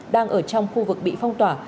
đang ở trong khu vực bị phong tỏa